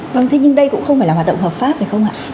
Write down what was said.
vâng thế nhưng đây cũng không phải là hoạt động hợp pháp phải không ạ